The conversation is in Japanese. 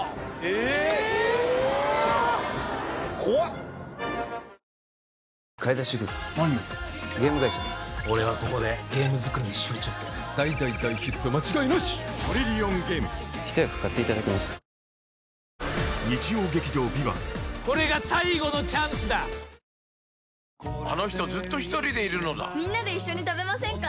怖っあの人ずっとひとりでいるのだみんなで一緒に食べませんか？